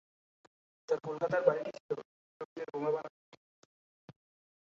তার কলকাতার বাড়িটি ছিল বিপ্লবীদের বোমা বানানোর কেন্দ্রস্থল।